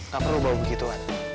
gak perlu bawa begituan